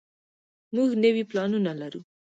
موږ نوي پلانونه لرو.